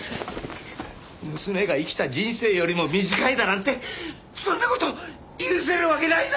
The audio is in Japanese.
娘が生きた人生よりも短いだなんてそんな事許せるわけないだろう！